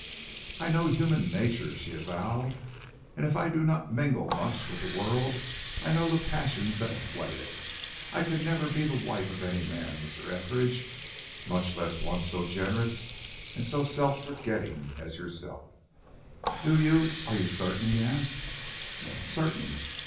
"I know human nature," she avowed, "and if I do not mingle much with the world I know the passions that sway it. I can never be the wife of any man, Mr. Etheridge, much less of one so generous and so self forgetting as yourself." "Do you are you certain?" he asked. "Certain."